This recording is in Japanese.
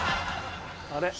あれ？